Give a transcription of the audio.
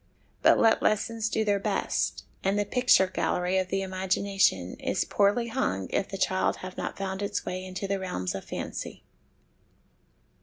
But let lessons do their best, and the picture gallery of the imagination is poorly hung if the child have not found his way into the realms of fancy.